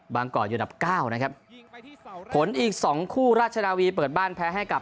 บางกอร์อยู่อันดับ๙นะครับผลอีก๒คู่ราชนาวีเปิดบ้านแพ้ให้กับ